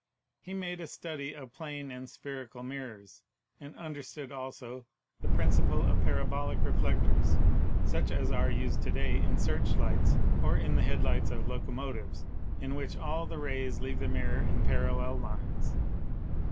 He made a study of plane and spherical mirrors, and understood,, also, the principle of parabolic reflectors, such as are used to day in searchlights or the headlights of locomotives, in which all the rays leave the mirror in parallel lines.